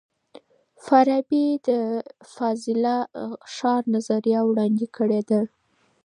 فارابي د فاضله ښار نظریه وړاندې کړې ده.